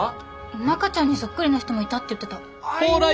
中ちゃんにそっくりな人もいたって言ってた。